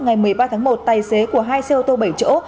ngày một mươi ba tháng một tài xế của hai xe ô tô bảy chỗ